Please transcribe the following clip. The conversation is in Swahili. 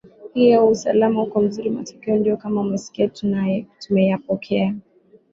hiyo usalama uko mzuri matokeo ndio kama umesikia tumeyapokea